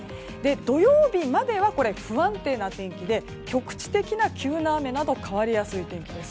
土曜日までは不安定な天気で局地的な急な雨など変わりやすい天気です。